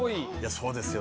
そうですよね。